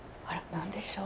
何でしょう。